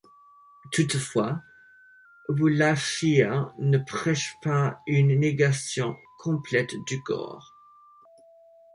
Toutefois, Aboulafia ne prêche pas une négation complète du corps.